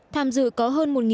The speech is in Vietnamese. tham dự có hơn một người